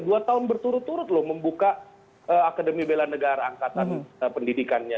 dua tahun berturut turut loh membuka akademi bela negara angkatan pendidikannya